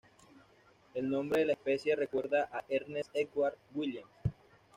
El nombre de la especie recuerda a Ernest Edward Williams.